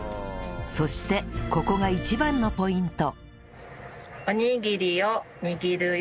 そしてここが一番のポイント